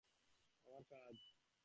আমার কাজ?